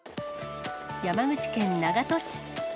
山口県長門市。